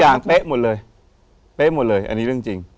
เป๊ะหมดเลยเป๊ะหมดเลยอันนี้เรื่องจริง